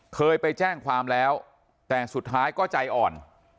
เคยไปแจ้งความแล้วแต่สุดท้ายก็ใจอ่อน